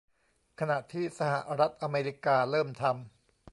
ขณะที่สหรัฐอเมริกาเริ่มทำ